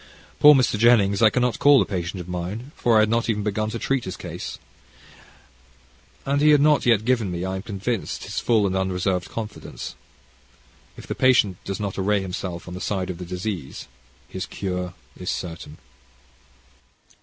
Poor Mr. Jennings I cannot call a patient of mine, for I had not even begun to treat his case, and he had not yet given me, I am convinced, his full and unreserved confidence. If the patient do not array himself on the side of the disease, his cure is certain.